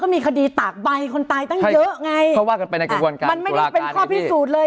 มีคดีตากใบคนตายตั้งเยอะไงเขาว่ากันไปในกระบวนการมันไม่ได้เป็นข้อพิสูจน์เลย